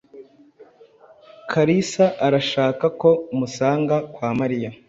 Kalisa arashaka ko musanga kwa Mariya.